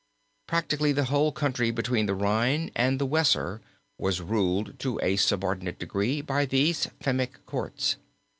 Practically the whole country between the Rhine and the Weser was ruled to a subordinate degree by these Fehmic courts.